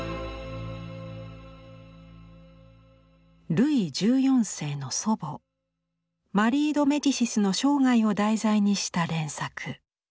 ルイ１４世の祖母マリー・ド・メディシスの生涯を題材にした連作。